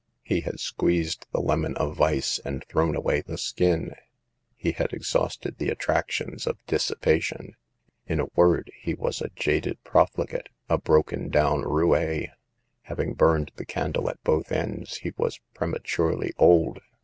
He had squeezed the lemon of vice, and thrown away the skin. He had exhausted the 14 SAVE THE GIRLS. attractions of dissipation. In a word, he was a jaded profligate; a broken down roue ; hav ing burned the candle at both ends he was pre maturely old.